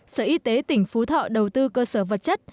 sở y tế tỉnh phú thọ đầu tư cơ sở vật chất